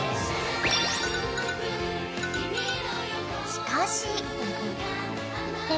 ［しかし］